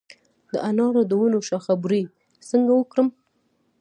د انارو د ونو شاخه بري څنګه وکړم؟